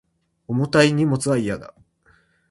重たい荷物は嫌だ